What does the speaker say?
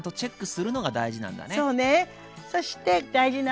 そうね。